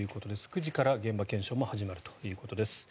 ９時から現場検証も始まるということです。